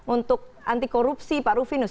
untuk anti korupsi pak rufinus